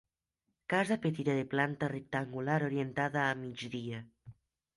Casa petita de planta rectangular orientada a migdia.